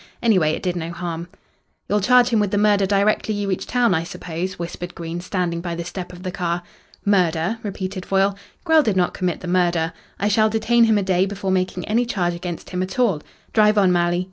Anyway, it did no harm. "You'll charge him with the murder directly you reach town, I suppose?" whispered Green, standing by the step of the car. "Murder?" repeated Foyle. "Grell did not commit the murder. I shall detain him a day before making any charge against him at all. Drive on, Malley.